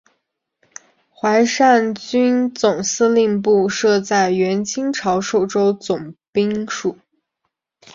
淮上军总司令部设在原清朝寿州总兵署。